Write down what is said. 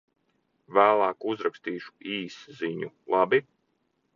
Vēlāk uzrakstīšu īsziņu, labi?